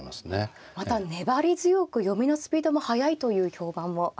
また粘り強く読みのスピードも速いという評判もありますね。